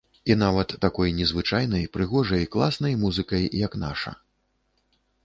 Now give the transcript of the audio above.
І нават такой незвычайнай, прыгожай, класнай музыкай, як наша.